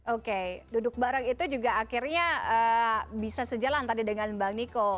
oke duduk bareng itu juga akhirnya bisa sejalan tadi dengan bang niko